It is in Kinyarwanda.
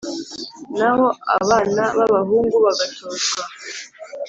naho abana b’abahungu bagatozwa